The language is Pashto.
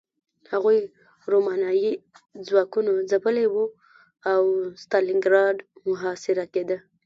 هغوی رومانیايي ځواکونه ځپلي وو او ستالینګراډ محاصره کېده